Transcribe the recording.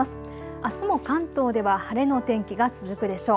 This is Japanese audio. あすも関東では晴れの天気が続くでしょう。